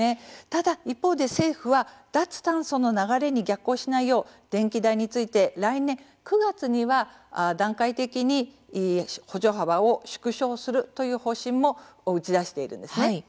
ただ、一方で政府は脱炭素の流れに逆行しないよう電気代について来年９月には段階的に補助幅を縮小するという方針も打ち出しているんです。